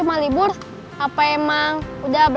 kangen deh sama celoknya om ubed